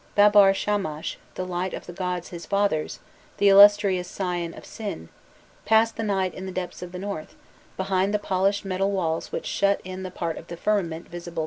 Babbar Shamash, "the light of the gods, his fathers," "the illustrious scion of Sin," passed the night in the depths of the north, behind the polished metal walls which shut in the part of the firmament visible to human eyes.